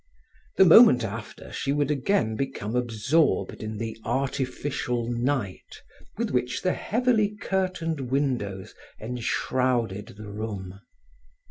The moment after she would again become absorbed in the artificial night with which the heavily curtained windows enshrouded the room.